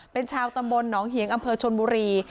เป็นชาวตำบลหนองเหียงอำเภอชนบุรี